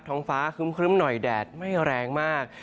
ท้องฟ้าครึ้มหน่อยแดดไม่แรงมาก